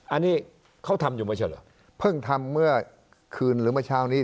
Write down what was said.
อันนี้เขาทำอยู่ไม่ใช่เหรอเพิ่งทำเมื่อคืนหรือเมื่อเช้านี้